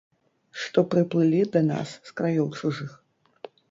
Што прыплылі да нас з краёў чужых.